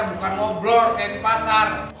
bukan ngobrol kayak di pasar